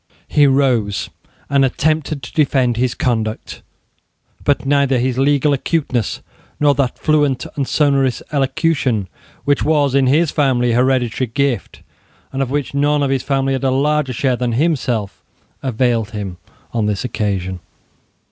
He rose, and attempted to defend his conduct: but neither his legal acuteness, nor that fluent and sonorous elocution which was in his family a hereditary gift, and of which none of his family had a larger share than himself, availed him on this occasion.